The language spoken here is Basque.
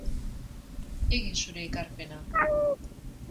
Egin zure ekarpena.